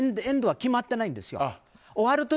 エンドは決まってないんです。